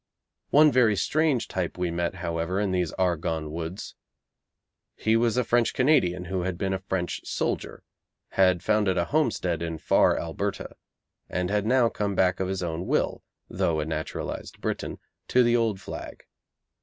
One very strange type we met, however, in these Argonne Woods. He was a French Canadian who had been a French soldier, had founded a homestead in far Alberta, and had now come back of his own will, though a naturalised Briton, to the old flag.